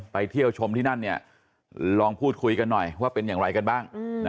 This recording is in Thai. เที่ยวชมที่นั่นลองพูดคุยกันหน่อยว่าเป็นอย่างไรกันบ้าง